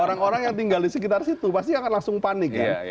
orang orang yang tinggal di sekitar situ pasti akan langsung panik kan